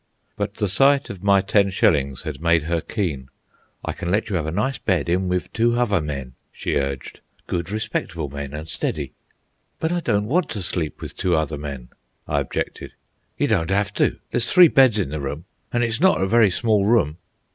But the sight of my ten shillings had made her keen. "I can let you have a nice bed in with two hother men," she urged. "Good, respectable men, an' steady." "But I don't want to sleep with two other men," I objected. "You don't 'ave to. There's three beds in the room, an' hit's not a very small room."